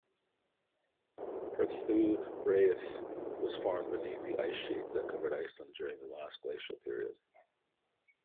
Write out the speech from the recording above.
Herðubreið was formed beneath the icesheet that covered Iceland during the last glacial period.